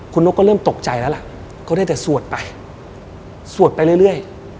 คุณนกก็เริ่มตกใจแล้วล่ะก็ได้แต่สวดไปสวดไปเรื่อย